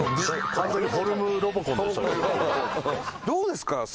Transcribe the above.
どうですか？